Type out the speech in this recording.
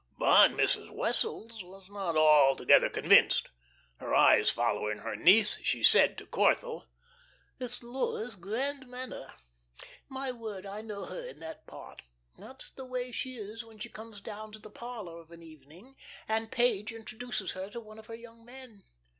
But Mrs. Wessels was not altogether convinced. Her eyes following her niece, she said to Corthell: "It's Laura's 'grand manner.' My word, I know her in that part. That's the way she is when she comes down to the parlor of an evening, and Page introduces her to one of her young men."